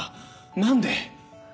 何で？